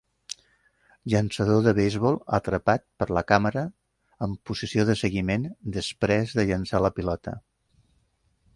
Llançador de beisbol atrapat per la càmera en posició de seguiment després de llançar la pilota.